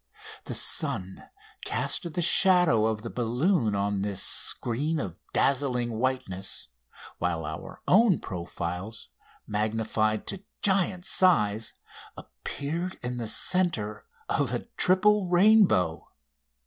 The sun cast the shadow of the balloon on this screen of dazzling whiteness, while our own profiles, magnified to giant size, appeared in the centre of a triple rainbow!